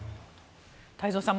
太蔵さん